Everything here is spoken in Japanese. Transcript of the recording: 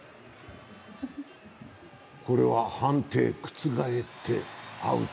これは判定覆ってアウト。